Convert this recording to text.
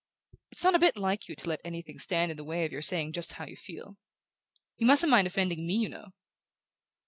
It's not a bit like you to let anything stand in the way of your saying just what you feel. You mustn't mind offending me, you know!"